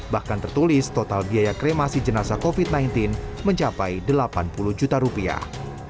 bahkan tertulis total biaya kremasi jenazah covid sembilan belas mencapai delapan puluh juta rupiah